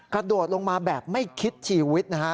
กระโดดลงมาแบบไม่คิดชีวิตนะฮะ